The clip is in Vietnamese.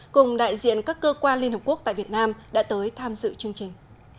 cùng đại diện các cơ quan liên hợp quốc tại việt nam đã tới tham dự chương trình